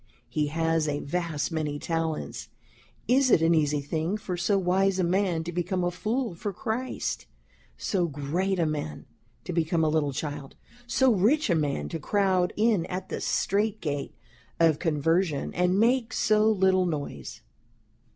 He has a vast many Talents, is it an easy thing for so Wise a man to become a Fool for Christ? so great a man to become a Little Child? so rich a man to crowd in at the Strait Gate of Conversion, and make so little noise?...